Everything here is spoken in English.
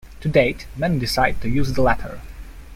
To date, many decide to use the latter.